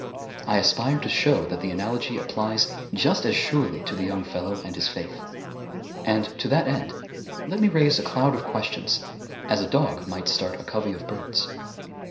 I aspire to show that the analogy applies just as surely to the young fellow and his faith. And to that end let me raise a cloud of questions as a dog might start a covey of birds.